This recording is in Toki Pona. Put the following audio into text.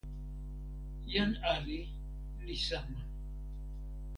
jan ali li sama.